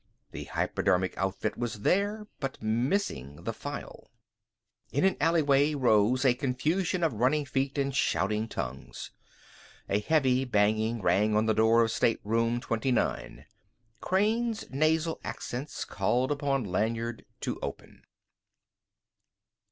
The hypodermic outfit was there, but minus the phial. In the alleyway rose a confusion of running feet and shouting tongues. A heavy banging rang on the door to Stateroom 29. Crane's nasal accents called upon Lanyard to open.